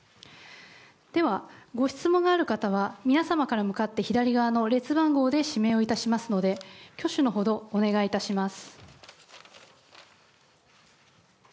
では、ご質問がある方は皆様から向かって左側の列番号で指名をいたしますので挙手のほどをお願いいたします。